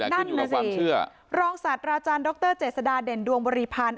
ขึ้นอยู่กับความเชื่อรองศาสตร์ราชาญดรเจสดาเด่นดวงบริพันธ์